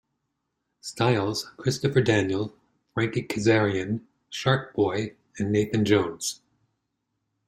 Styles, Christopher Daniels, Frankie Kazarian, Shark Boy, and Nathan Jones.